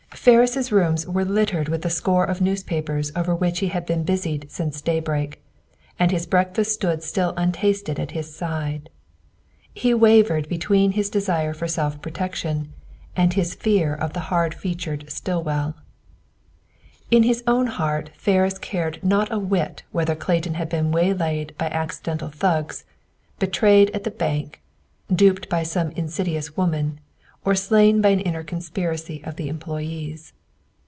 Ferris' rooms were littered with the score of newspapers over which he had been busied since daybreak, and his breakfast stood still untasted at his side. He wavered between his desire for self protection and his fear of the hard featured Stillwell. In his own heart Ferris cared not a whit whether Clayton had been waylaid by accidental thugs, betrayed at the bank, duped by some insidious woman, or slain by an inner conspiracy of the employees.